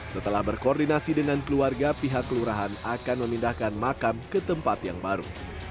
setelah berkoordinasi dengan keluarga pihak kelurahan akan memindahkan makam ke tempat yang baru